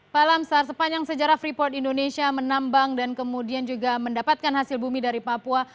pak lamsar sepanjang sejarah freeport indonesia menambang dan kemudian juga mendapatkan hasil bumi dari papua